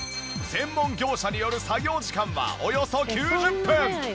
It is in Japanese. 専門業者による作業時間はおよそ９０分。